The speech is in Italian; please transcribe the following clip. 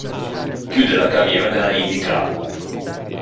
Chiude la carriera nella Indycar.